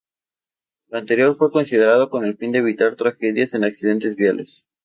Lo anterior fue considerado con el fin de evitar tragedias en accidentes viales.